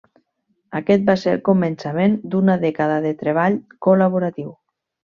Aquest va ser el començament d'una dècada de treball col·laboratiu.